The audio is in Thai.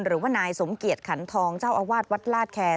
หรือว่านายสมเกียจขันทองเจ้าอาวาสวัดลาดแคร์